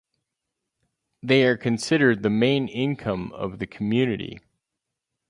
They are considered the main income of the community.